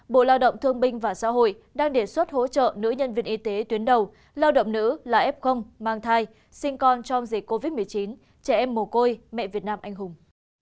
bộ lao động thương binh và xã hội đang đề xuất hỗ trợ nữ nhân viên y tế tuyến đầu lao động nữ là f mang thai sinh con trong dịch covid một mươi chín trẻ em mồ côi mẹ việt nam anh hùng